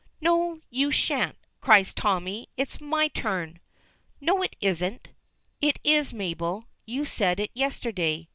"No, you shan't," cries Tommy; "it's my turn." "No, it isn't." "It is, Mabel. You said it yesterday.